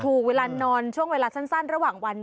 เวลานอนช่วงเวลาสั้นระหว่างวัน